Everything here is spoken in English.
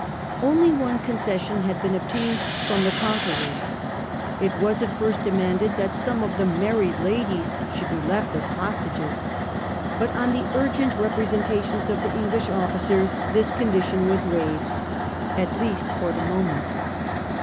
Only one concession had been obtained from the conquerors. It was at first de manded that some of the married ladies should be left as hostages ; but on the urgent representations of the English officers this condition was waived — at least for the moment.